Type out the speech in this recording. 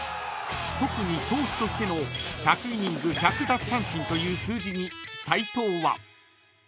［特に投手としての１００イニング１００奪三振という数字に斎藤は］